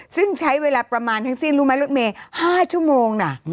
ซึ่งใช้เวลาประมาณทั้งสิ้นรู้ไหมรถเมย์๕ชั่วโมงนะ